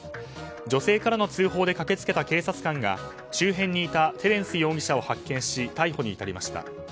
女性からの通報で駆け付けた警察官が周辺にいたテレンス容疑者を発見し、逮捕に至りました。